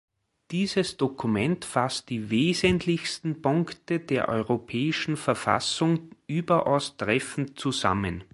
Dieses Dokument fasst die wesentlichsten Punkte der Europäischen Verfassung überaus treffend zusammen.